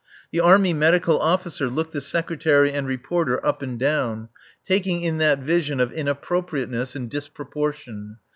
The Army Medical Officer looked the Secretary and Reporter up and down, taking in that vision of inappropriateness and disproportion.